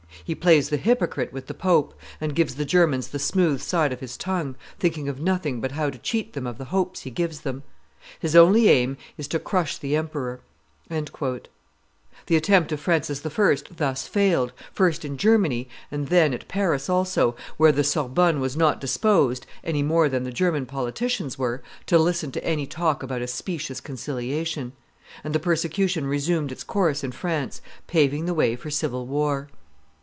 He plays the hypocrite with the pope, and gives the Germans the smooth side of his tongue, thinking of nothing but how to cheat them of the hopes he gives them. His only aim is to crush the emperor." The attempt of Francis I. thus failed, first in Germany, and then at Paris also, where the Sorbonne was not disposed, any more than the German politicians were, to listen to any talk about a specious conciliation; and the persecution resumed its course in France, paving the way for civil war.